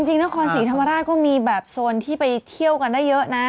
จริงนครศรีธรรมราชก็มีแบบโซนที่ไปเที่ยวกันได้เยอะนะ